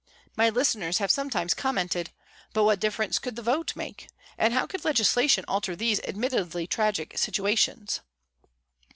My listeners have some times commented :" But what difference could the vote make ? and how could legislation alter these admittedly tragic situations